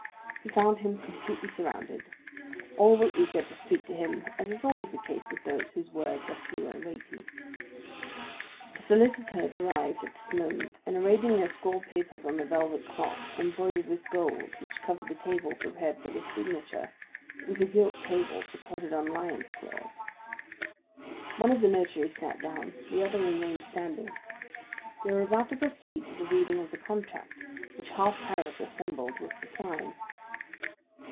He found him completely surrounded; all were eager to speak to him, as is always the case with those whose words are few and weighty. The solicitors arrived at this moment and arranged their scrawled papers on the velvet cloth embroidered with gold which covered the table prepared for the signature; it was a gilt table supported on lions' claws. One of the notaries sat down, the other remained standing. They were about to proceed to the reading of the contract, which half Paris assembled was to sign.